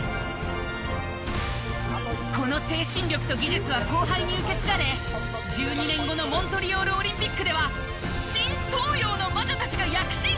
この精神力と技術は後輩に受け継がれ１２年後のモントリオールオリンピックでは新東洋の魔女たちが躍進！